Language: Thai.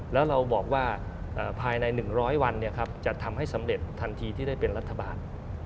แล้วเราบอกว่าภายใน๑๐๐วันจะทำให้สำเร็จทันทีที่ได้เป็นรัฐบาล